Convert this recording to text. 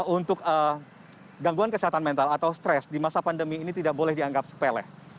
untuk gangguan kesehatan mental atau stres di masa pandemi ini tidak boleh dianggap sepele